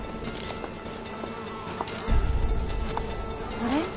あれ？